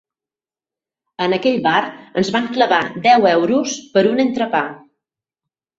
En aquell bar ens van clavar deu euros per un entrepà.